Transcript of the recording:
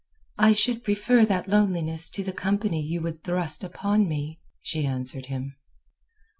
"I should prefer that loneliness to the company you would thrust upon me," she answered him.